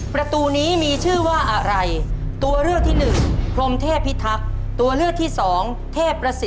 ประตูนี้มีชื่อว่าอะไร